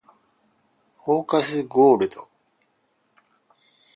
フォーカスゴールド